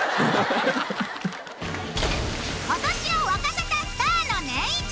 今年を沸かせたスターのネンイチ！